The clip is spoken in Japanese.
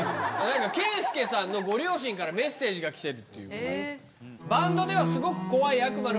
桂佑さんのご両親からメッセージが来てる。